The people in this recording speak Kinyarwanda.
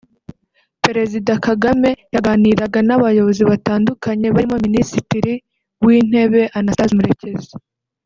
Perezida Kagame yaganiraga n’abayobozi batandukanye barimo Minisitiri w’Intebe Anastase Murekezi